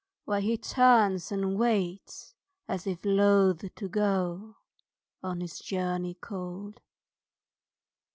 Why he turns and waits as if loath to go On his journey cold?